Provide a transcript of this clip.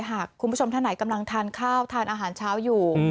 หากคุณผู้ชมท่านไหนกำลังทานข้าวทานอาหารเช้าอยู่